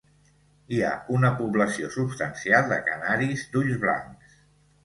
Hi ha una població substancial de canaris d'ulls blancs.